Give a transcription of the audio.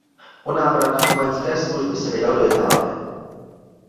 Po návratu s vojenské služby se vydal do Itálii.